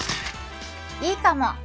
いいかも！